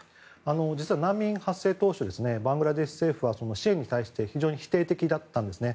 実は難民発生当初バングラデシュ政府は支援に対して非常に否定的だったんですね。